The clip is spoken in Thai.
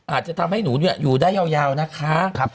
อาจจะทำให้หนูอยู่ได้ยาวนะคะ